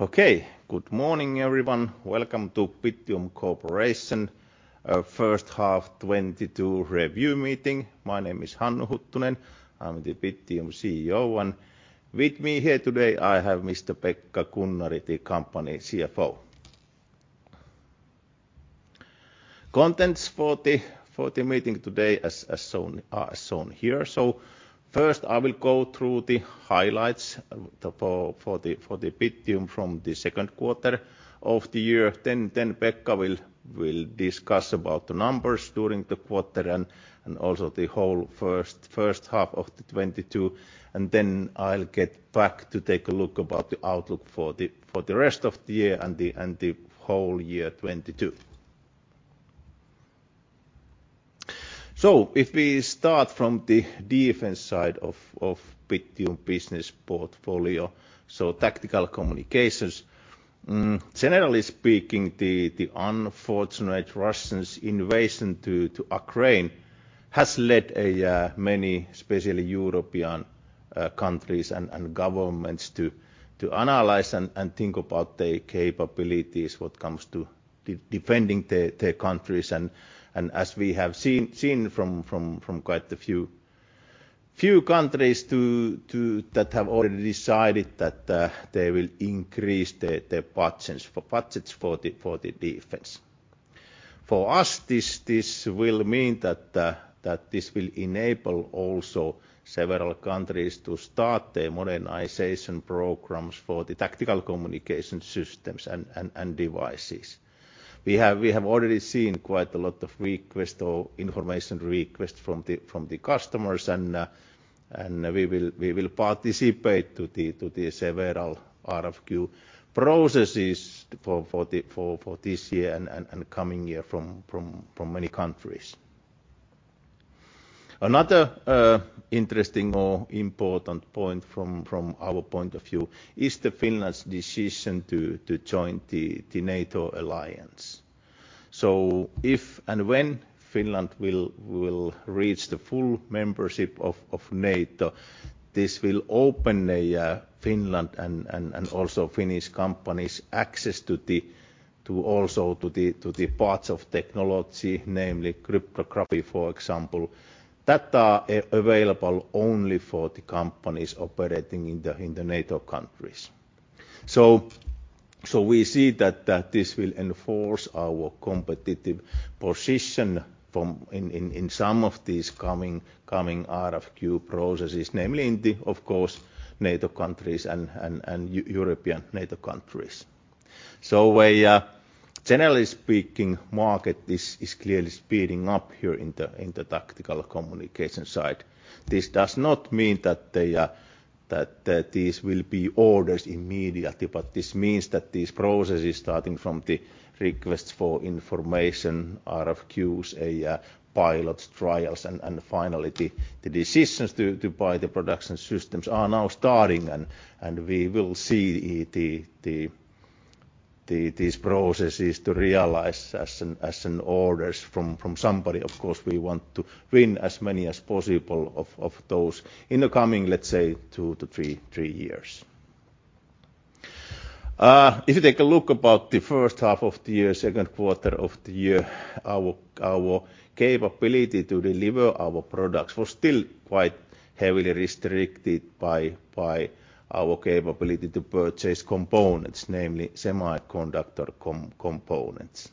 Okay. Good morning, everyone. Welcome to Bittium Corporation First Half 2022 Review Meeting. My name is Hannu Huttunen. I'm the Bittium CEO, and with me here today I have Mr. Pekka Kunnari, the company CFO. Contents for the meeting today as shown here. First, I will go through the highlights for the Bittium from the second quarter of the year. Pekka will discuss about the numbers during the quarter and also the whole first half of the 2022, and then I'll get back to take a look about the outlook for the rest of the year and the whole year 2022. If we start from the Defense & Security side of Bittium’s business portfolio, tactical communications. Generally speaking, the unfortunate Russian invasion of Ukraine has led many, especially European, countries and governments to analyze and think about their capabilities when it comes to defending their countries, and as we have seen from quite a few countries that have already decided that they will increase their budgets for the defense. For us, this will mean that this will enable several countries to start their modernization programs for the tactical communication systems and devices. We have already seen quite a lot of requests or information requests from the customers, and we will participate to the several RFQ processes for this year and coming year from many countries. Another interesting or important point from our point of view is Finland's decision to join the NATO alliance. If and when Finland will reach the full membership of NATO, this will open Finland and also Finnish companies access to the parts of technology, namely cryptography, for example, that are available only for the companies operating in the NATO countries. We see that this will enforce our competitive position in some of these coming RFQ processes, namely in the, of course, NATO countries and European NATO countries. We generally speaking the market is clearly speeding up here in the tactical communication side. This does not mean that that these will be orders immediately, but this means that these processes starting from the requests for information, RFQs, pilot trials and finally the decisions to buy the production systems are now starting and we will see the these processes to realize as an orders from somebody. Of course, we want to win as many as possible of those in the coming, let's say, two to three years. If you take a look at the first half of the year, second quarter of the year, our capability to deliver our products was still quite heavily restricted by our capability to purchase components, namely semiconductor components.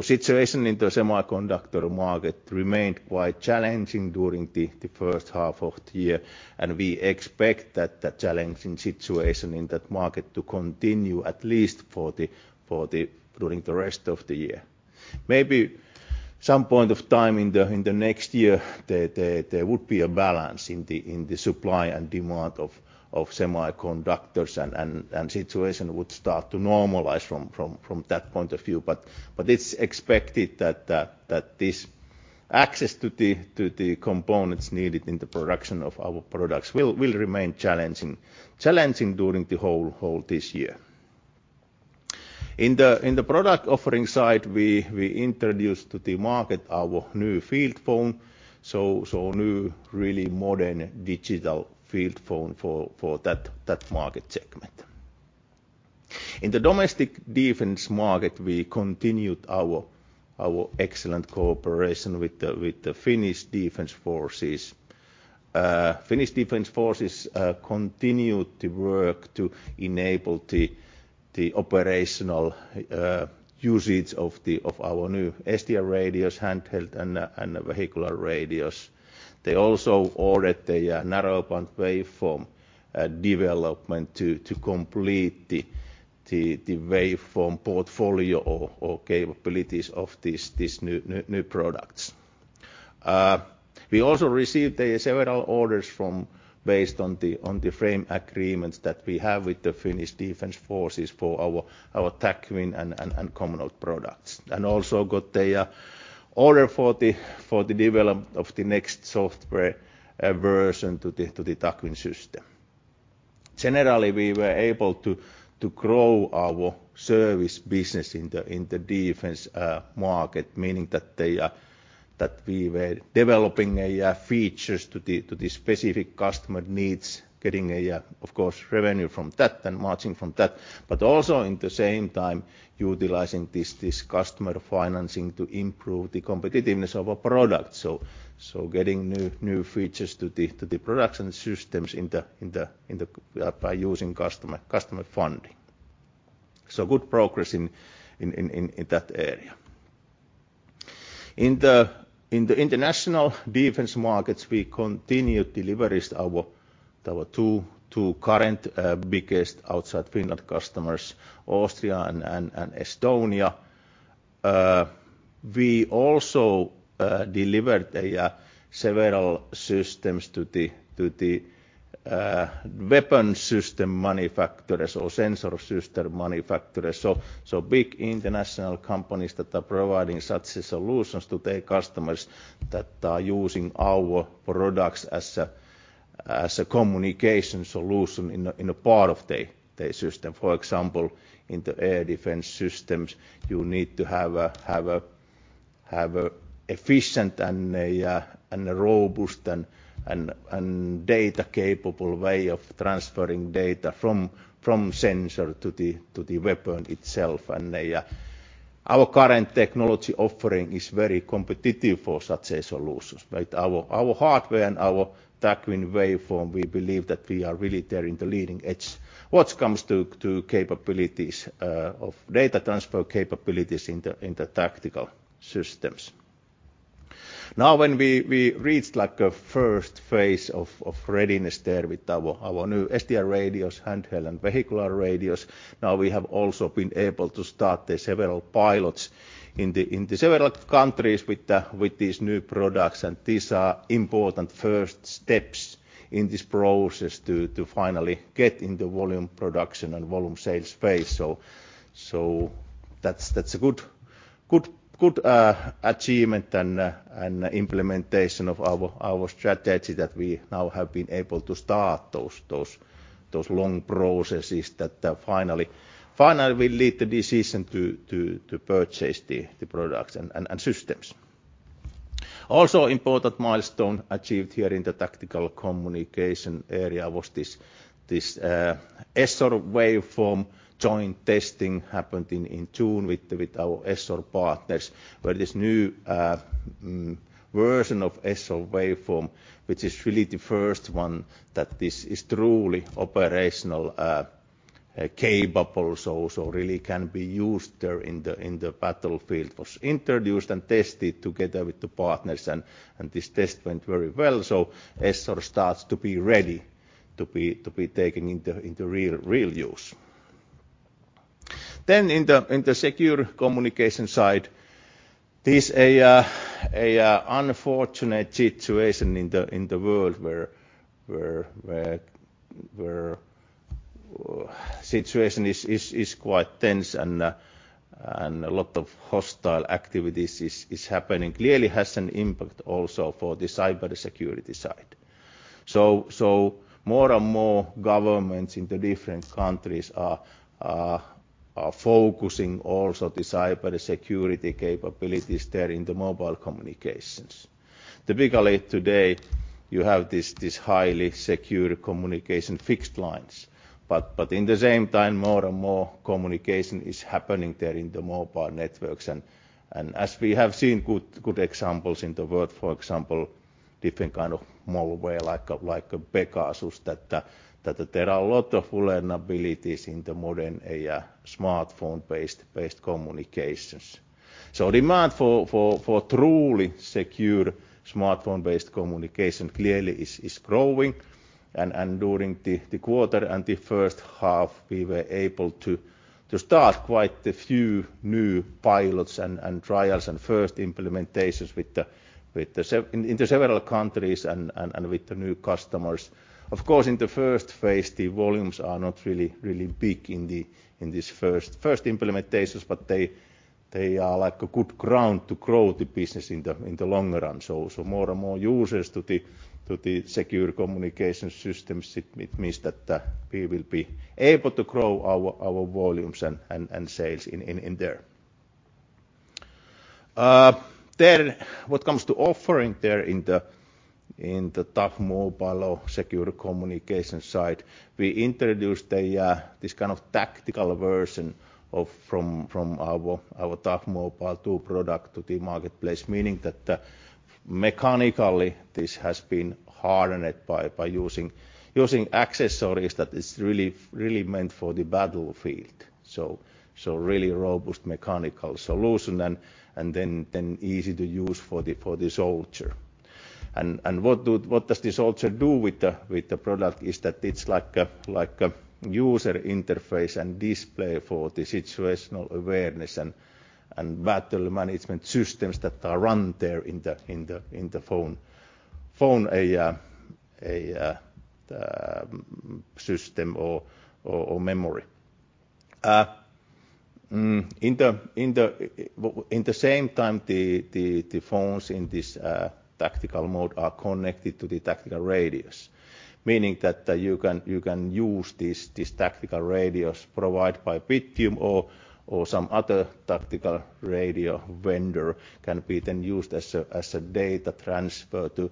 Situation in the semiconductor market remained quite challenging during the first half of the year, and we expect that the challenging situation in that market to continue at least during the rest of the year. Maybe some point of time in the next year, there would be a balance in the supply and demand of semiconductors and situation would start to normalize from that point of view. It's expected that this access to the components needed in the production of our products will remain challenging during the whole this year. In the product offering side, we introduced to the market our new field phone, so new really modern digital field phone for that market segment. In the domestic defense market, we continued our excellent cooperation with the Finnish Defence Forces. Finnish Defence Forces continued the work to enable the operational usage of our new SDR radios, handheld and vehicular radios. They also ordered a narrow band waveform development to complete the waveform portfolio or capabilities of these new products. We also received several orders from. Based on the frame agreements that we have with the Finnish Defence Forces for our TAC WIN and Comnode products, and also got a order for the development of the next software version to the TAC WIN system. Generally, we were able to grow our service business in the defense market, meaning that we were developing AI features to the specific customer needs, getting AI, of course, revenue from that and margin from that, but also in the same time, utilizing this customer financing to improve the competitiveness of a product. Getting new features to the production systems in the by using customer funding. Good progress in that area. In the international defense markets, we continued deliveries to our two current biggest outside Finland customers, Austria and Estonia. We also delivered several systems to the weapon system manufacturers or sensor system manufacturers. Big international companies that are providing such solutions to their customers that are using our products as a communication solution in a part of their system. For example, in the air defense systems, you need to have an efficient and a robust and data capable way of transferring data from sensor to the weapon itself. Our current technology offering is very competitive for such solutions, right? Our hardware and our tactical waveform, we believe that we are really there in the leading edge when it comes to capabilities of data transfer capabilities in the tactical systems. Now, when we reached like a first phase of readiness there with our new SDR radios, handheld and vehicular radios, now we have also been able to start several pilots in several countries with these new products. These are important first steps in this process to finally get into volume production and volume sales phase. That's a good achievement and implementation of our strategy that we now have been able to start those long processes that finally will lead to the decision to purchase the products and systems. Also important milestone achieved here in the tactical communication area was ESSOR Waveform joint testing happened in June with our ESSOR partners, where this new version of ESSOR Waveform, which is really the first one that this is truly operational capable, really can be used there in the battlefield, was introduced and tested together with the partners and this test went very well. ESSOR starts to be ready to be taken into real use. In the secure communication side, this unfortunate situation in the world where situation is quite tense and a lot of hostile activities is happening clearly has an impact also for the cybersecurity side. More and more governments in the different countries are focusing also on the cybersecurity capabilities there in the mobile communications. Typically today, you have this highly secure communications, fixed lines, but at the same time, more and more communication is happening there in the mobile networks and as we have seen good examples in the world, for example, different kind of malware like Pegasus that there are a lot of vulnerabilities in the modern high smartphone-based communications. Demand for truly secure smartphone-based communication clearly is growing and during the quarter and the first half, we were able to start quite a few new pilots and trials and first implementations with the several countries and with the new customers. Of course, in the first phase, the volumes are not really big in this first implementations, but they are like a good ground to grow the business in the longer run. More and more users to the secure communication systems, it means that we will be able to grow our volumes and sales in there. What comes to offering there in the Bittium Tough Mobile 2 secure communication side, we introduced this kind of tactical version of our Bittium Tough Mobile 2 product to the marketplace, meaning that mechanically this has been hardened by using accessories that is really meant for the battlefield. Really robust mechanical solution and then easy to use for the soldier. What does this soldier do with the product is that it's like a user interface and display for the situational awareness and battle management systems that are run there in the phone AI system or memory. In the same time, the phones in this tactical mode are connected to the tactical radio, meaning that you can use this tactical radio provided by Bittium or some other tactical radio vendor can be then used as a data transfer to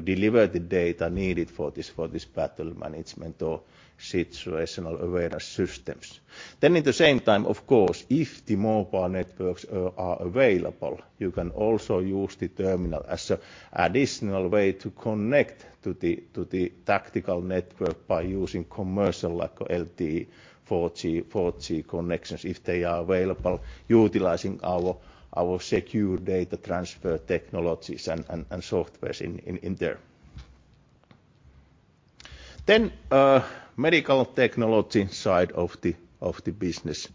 deliver the data needed for this battle management or situational awareness systems. At the same time, of course, if the mobile networks are available, you can also use the terminal as an additional way to connect to the tactical network by using commercial like LTE, 4G connections if they are available, utilizing our secure data transfer technologies and softwares in there. Medical technology side of the business.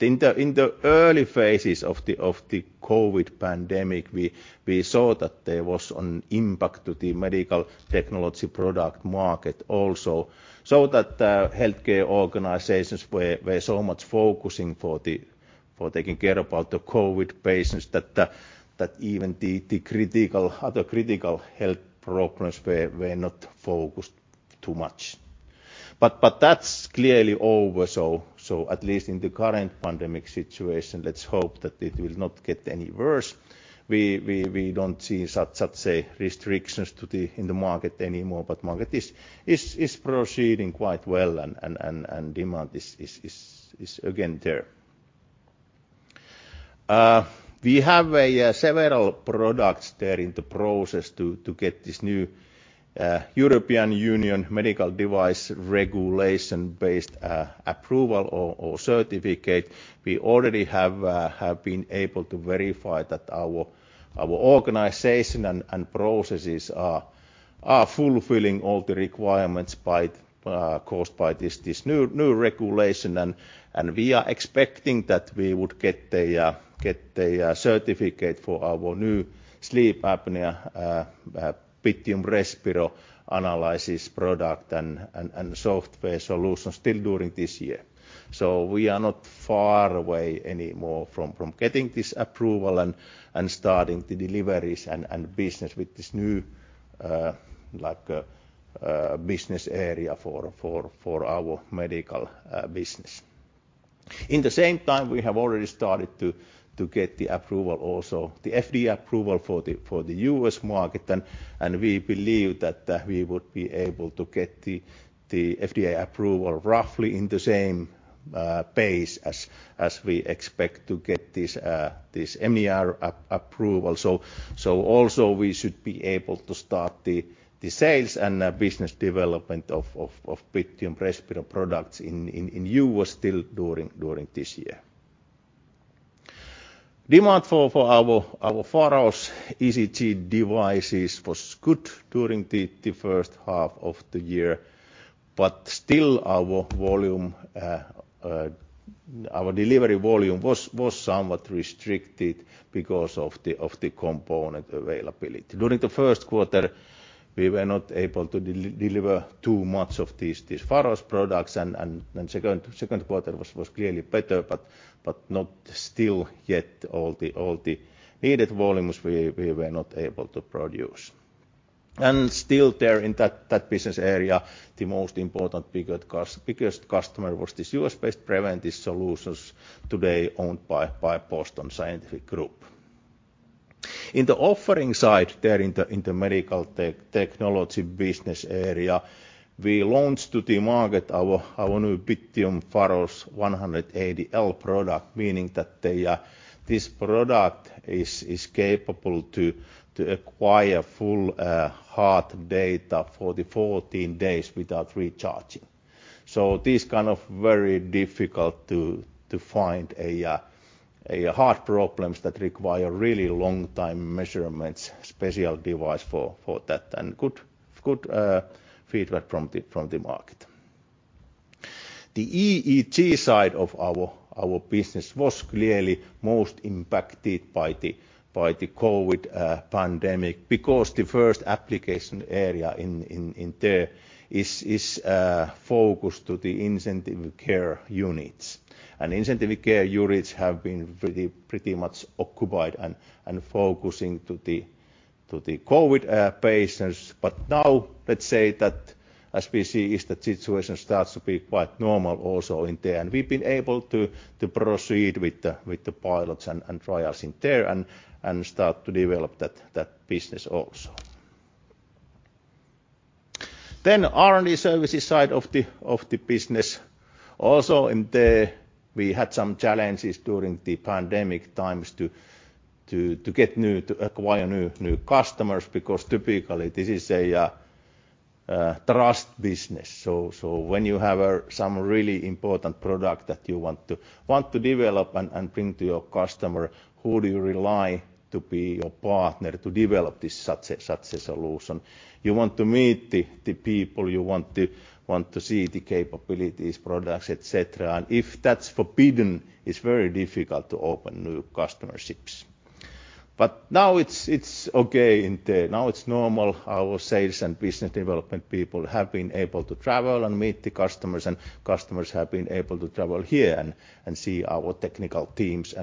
In the early phases of the COVID pandemic, we saw that there was an impact to the medical technology product market also, so that healthcare organizations were so much focusing for taking care about the COVID patients that even the other critical health problems were not focused too much. That's clearly over. At least in the current pandemic situation, let's hope that it will not get any worse. We don't see such restrictions in the market anymore, but market is proceeding quite well and demand is again there. We have several products there in the process to get this new European Union Medical Device Regulation-based approval or certificate. We already have been able to verify that our organization and processes are fulfilling all the requirements caused by this new regulation, and we are expecting that we would get a certificate for our new sleep apnea Bittium Respiro analysis product and software solution still during this year. We are not far away anymore from getting this approval and starting the deliveries and business with this new business area for our medical business. At the same time, we have already started to get the approval, also the FDA approval for the U.S. market and we believe that we would be able to get the FDA approval roughly in the same pace as we expect to get this MDR approval. Also we should be able to start the sales and business development of Bittium Respiro products in U.S. still during this year. Demand for our Bittium Faros ECG devices was good during the first half of the year. Still our delivery volume was somewhat restricted because of the component availability. During the first quarter, we were not able to deliver too much of these Faros products and then second quarter was clearly better, but not still yet all the needed volumes we were not able to produce. Still there in that business area, the most important biggest customer was this U.S.-based Preventice Solutions, today owned by Boston Scientific Corporation. In the offering side there in the medical technology business area, we launched to the market our new Bittium Faros 180L product, meaning that they this product is capable to acquire full heart data for the 14 days without recharging. This kind of very difficult to find a heart problems that require really long time measurements, special device for that, and good feedback from the market. The EEG side of our business was clearly most impacted by the COVID pandemic because the first application area in there is focused to the intensive care units, and intensive care units have been pretty much occupied and focusing to the COVID patients. Now let's say that as we see is the situation starts to be quite normal also in there, and we've been able to proceed with the pilots and trials in there and start to develop that business also. R&D services side of the business. Also in there we had some challenges during the pandemic times to acquire new customers because typically this is a trust business. When you have some really important product that you want to develop and bring to your customer, who do you rely to be your partner to develop this such a solution? You want to meet the people, you want to see the capabilities, products, et cetera. If that's forbidden, it's very difficult to open new customerships. Now it's okay in there. Now it's normal. Our sales and business development people have been able to travel and meet the customers, and customers have been able to travel here and see our technical teams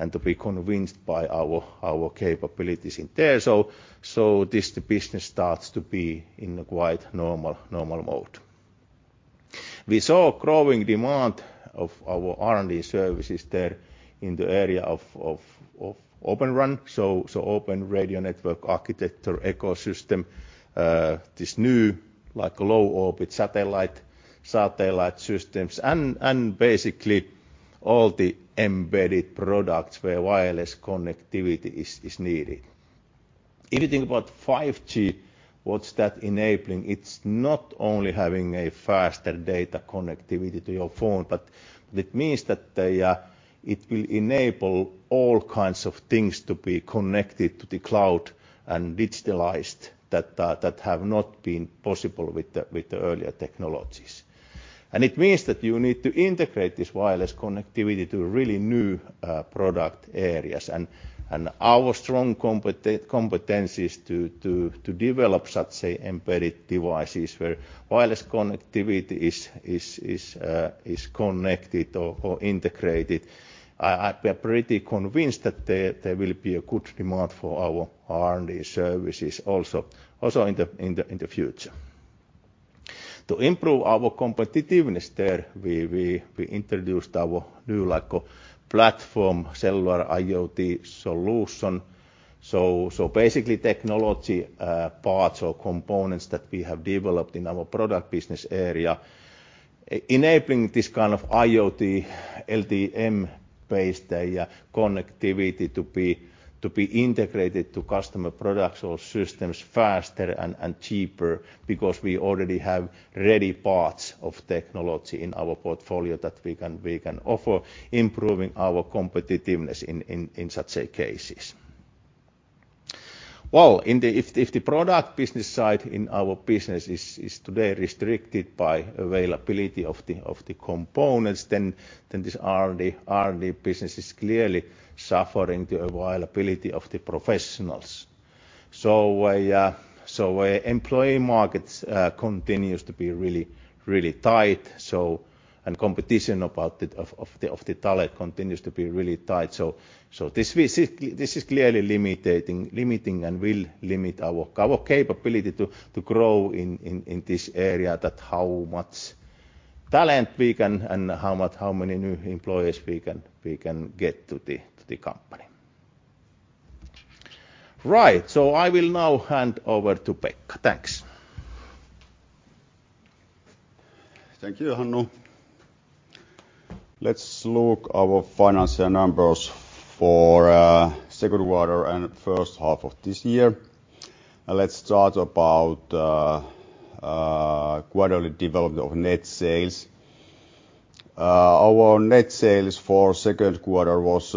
and to be convinced by our capabilities in there. This business starts to be in a quite normal mode. We saw growing demand of our R&D services there in the area of Open RAN, Open Radio Network Architecture Ecosystem, this new like low orbit satellite systems and basically all the embedded products where wireless connectivity is needed. If you think about 5G, what's that enabling? It's not only having a faster data connectivity to your phone, but it means that it will enable all kinds of things to be connected to the cloud and digitalized that have not been possible with the earlier technologies. It means that you need to integrate this wireless connectivity to really new product areas and our strong competencies to develop such embedded devices where wireless connectivity is connected or integrated. I am pretty convinced that there will be a good demand for our R&D services also in the future. To improve our competitiveness there, we introduced our new like platform, cellular IoT solution, so basically technology parts or components that we have developed in our product business area enabling this kind of IoT LTE-M-based connectivity to be integrated to customer products or systems faster and cheaper because we already have ready parts of technology in our portfolio that we can offer improving our competitiveness in such cases. Well, if the product business side in our business is today restricted by availability of the components, then this R&D business is clearly suffering the availability of the professionals. So the employee market continues to be really tight, and competition for the talent continues to be really tight. So this is clearly limiting and will limit our capability to grow in this area that how much talent we can and how many new employees we can get to the company. Right. I will now hand over to Pekka. Thanks. Thank you, Hannu. Let's look at our financial numbers for second quarter and first half of this year. Let's start with quarterly development of net sales. Our net sales for second quarter was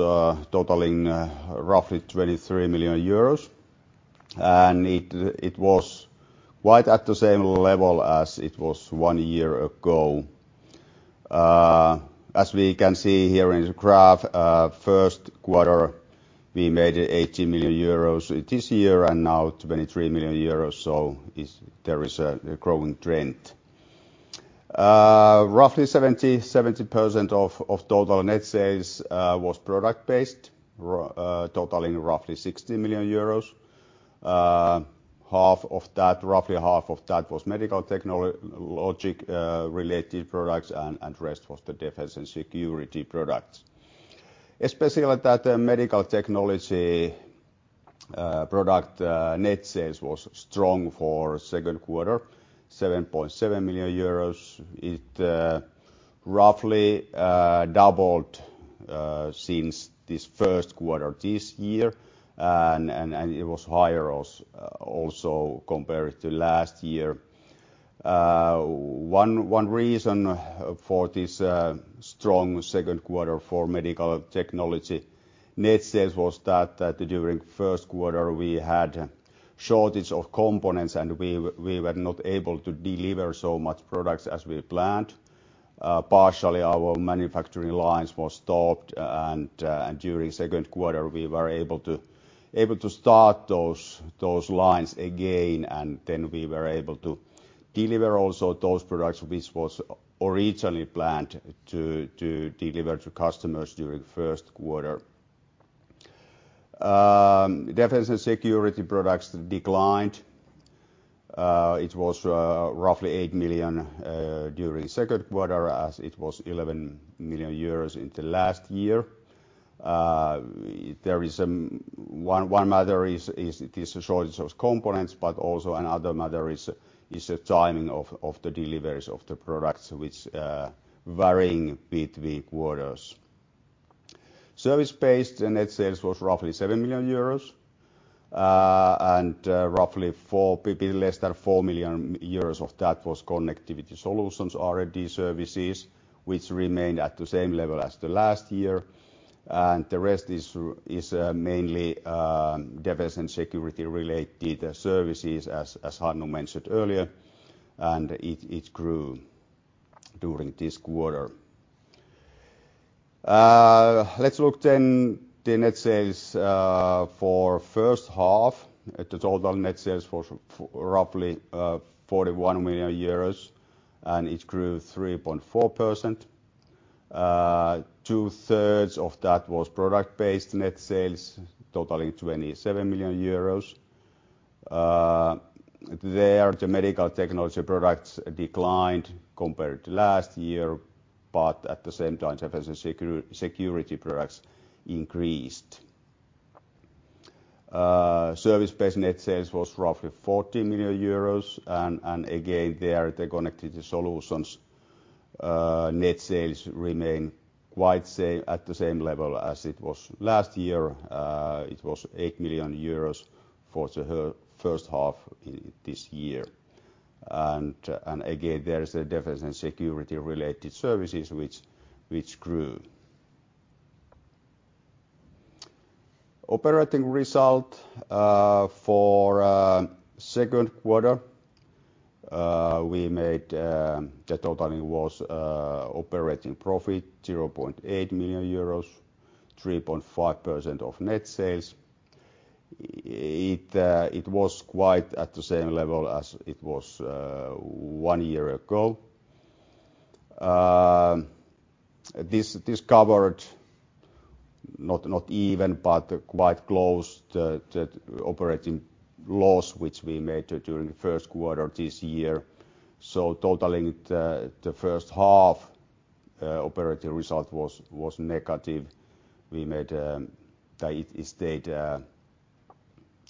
totaling roughly 23 million euros, and it was right at the same level as it was one year ago. As we can see here in the graph, first quarter, we made 8.0 Million euros this year and now 23 million euros, so there is a growing trend. Roughly 70% of total net sales was Product-based, totaling roughly 60 million euros. Half of that, roughly half of that was medical technology related products and rest was the defense and security products. Especially that medical technology product net sales was strong for second quarter, 7.7 million euros. It roughly doubled since this first quarter this year and it was higher, also compared to last year. One reason for this strong second quarter for medical technology net sales was that during first quarter we had shortage of components, and we were not able to deliver so much products as we had planned. Partially, our manufacturing lines was stopped and during second quarter, we were able to start those lines again, and then we were able to deliver also those products which was originally planned to deliver to customers during first quarter. Defense and security products declined. It was roughly 8.0 Million during second quarter as it was 11 million euros in the last year. There is one matter is this shortage of components, but also another matter is the timing of the deliveries of the products which varying between quarters. Service-based net sales was roughly 7 million euros, and roughly four, maybe less than 4 million euros of that was Connectivity Solutions, R&D services, which remained at the same level as the last year. The rest is mainly defense and security related services as Hannu mentioned earlier, and it grew during this quarter. Let's look then the net sales for first half. The total net sales was roughly 41 million euros, and it grew 3.4%. Two-thirds of that was Product-based net sales, totaling 27 million euros. There the medical technology products declined compared to last year, but at the same time, defense and security products increased. Service-based net sales was roughly 14 million euros and again, there the Connectivity Solutions net sales remain quite same, at the same level as it was last year. It was 8.0 million euros for the first half of this year and again, there is a defense and security-related services which grew. Operating result for second quarter, the total was operating profit 0.8 million euros, 3.5% of net sales. It was quite at the same level as it was one year ago. This covered not even, but quite close to operating loss, which we made during the first quarter this year. Totaling the first half, operating result was negative. We made that it stayed near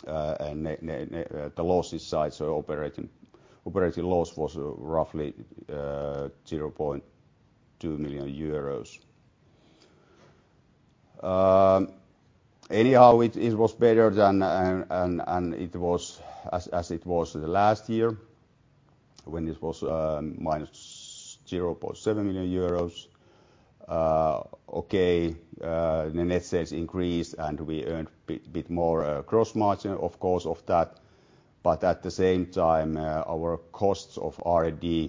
the loss side, so operating loss was roughly 0.2 million euros. Anyhow, it was better than it was the last year when it was -0.7 million euros. The net sales increased, and we earned bit more gross margin, of course, of that. At the same time, our costs of R&D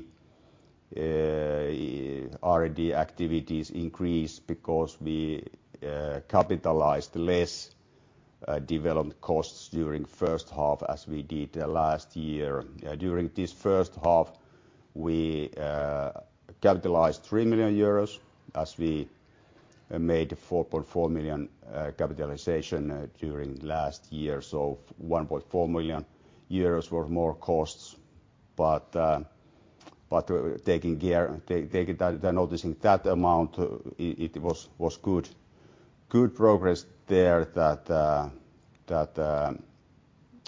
activities increased because we capitalized less development costs during first half as we did last year. During this first half, we capitalized 3.0 Million euros as we made 4.4 million capitalization during last year. 1.4 million euros were more costs. Taking care, taking that, noticing that amount, it was good progress there that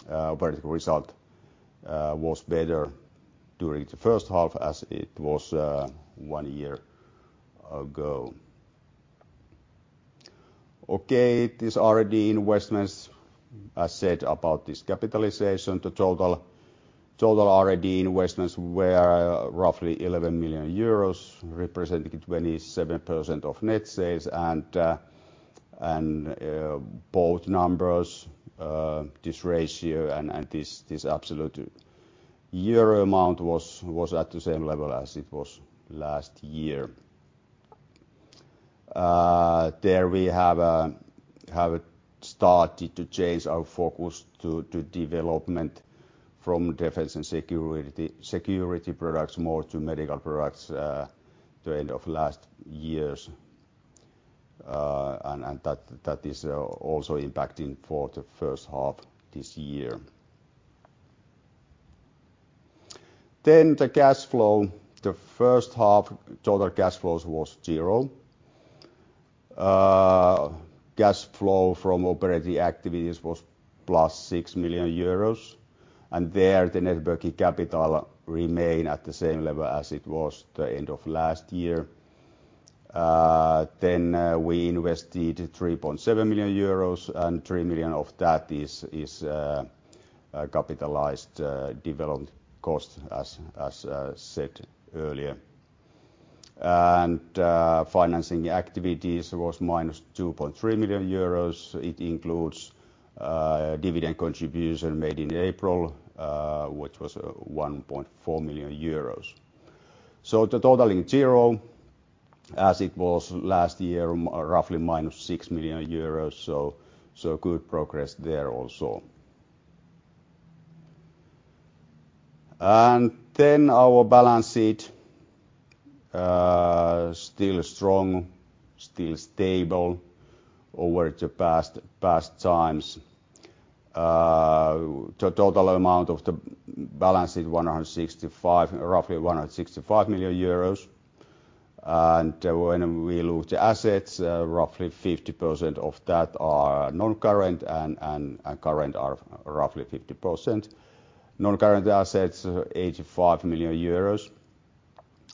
operating result was better during the first half as it was one year ago. Okay, this R&D investments, I said about this capitalization to total. Total R&D investments were roughly 11 million euros, representing 27% of net sales. Both numbers, this ratio and this absolute euro amount was at the same level as it was last year. We have started to change our focus to development from defense and security products more to medical products, the end of last year, and that is also impacting the first half this year. The cash flow. The first half total cash flows was zero. Cash flow from operating activities was +6.0 Million euros, and there the net working capital remained at the same level as it was the end of last year. We invested 3.7 million euros, and 3.0 Million of that is capitalized development cost as said earlier. Financing activities was -2.3 million euros. It includes dividend contribution made in April, which was 1.4 million euros. The total is zero, as it was last year roughly minus 6.0 Million euros. Good progress there also. Then our balance sheet, still strong, still stable over the past times. The total amount of the balance is roughly 165 million euros. When we look the assets, roughly 50% of that are non-current and current are roughly 50%. Non-current assets are 85 million euros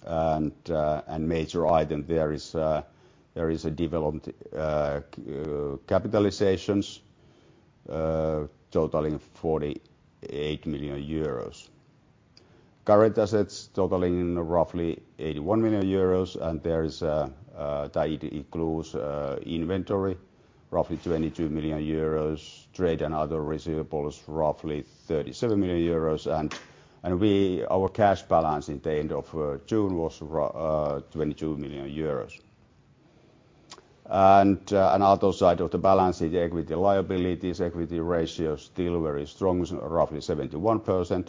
and major item there is a development capitalizations totaling 48 million euros. Current assets totaling roughly 81 million euros and that it includes inventory roughly 22 million euros. Trade and other receivables, roughly 37 million euros. Our cash balance at the end of June was 22 million euros. On the other side of the balance sheet, equity and liabilities, equity ratio still very strong, so roughly 71%.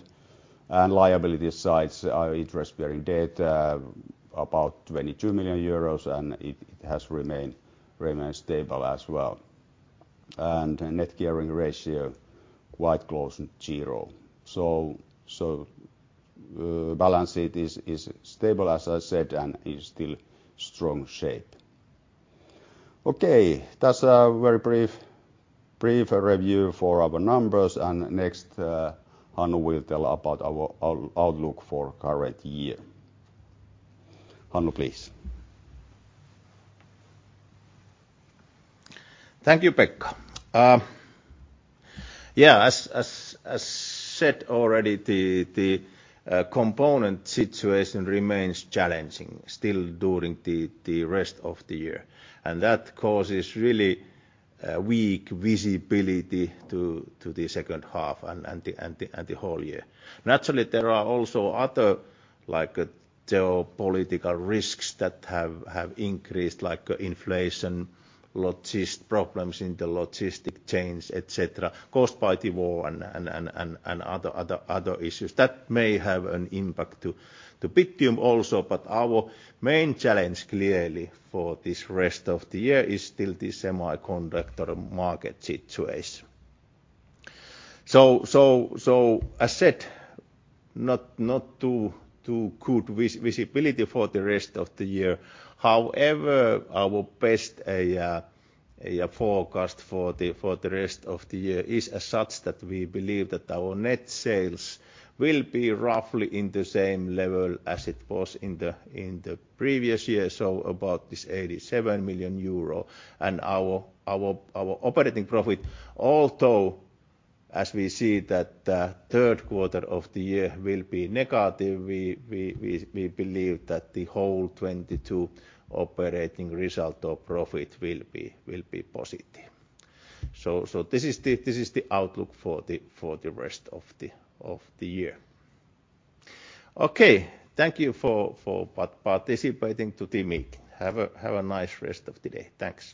Liability side, our interest-bearing debt about 22 million euros, and it has remained stable as well. Net gearing ratio quite close to zero. Balance sheet is stable, as I said, and is still in strong shape. Okay, that's a very brief review for our numbers. Next, Hannu will tell about our outlook for current year. Hannu, please. Thank you, Pekka. As said already, the component situation remains challenging still during the rest of the year. That causes really weak visibility to the second half and the whole year. There are also other, like, geopolitical risks that have increased, like inflation, problems in the logistic chains, et cetera, caused by the war and other issues. That may have an impact to Bittium also, but our main challenge clearly for the rest of the year is still the semiconductor market situation. As said, not too good visibility for the rest of the year. However, our best forecast for the rest of the year is as such that we believe that our net sales will be roughly in the same level as it was in the previous year, so about 87 million euro. Our operating profit, although as we see that third quarter of the year will be negative, we believe that the whole 2022 operating result or profit will be positive. This is the outlook for the rest of the year. Okay. Thank you for participating in the meeting. Have a nice rest of the day. Thanks.